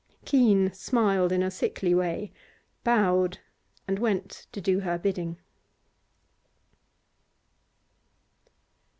Keene smiled in a sickly way, bowed, and went to do her bidding.